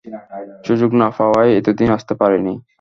সুযোগ না পাওয়ায় এতদিন আসতে পারেনি।